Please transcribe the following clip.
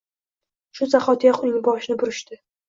Shu zahotiyoq uning boshini burishdi.